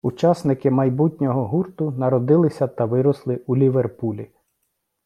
Учасники майбутнього гурту народилися та виросли у Ліверпулі.